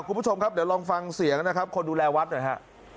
คุณผู้ชมครับเดี๋ยวลองฟังเสียงนะครับคนดูแลวัดหน่อยฮะ